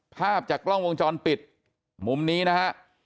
ภาพจากกล้องวงจรปิดมุมนี้นะฮะ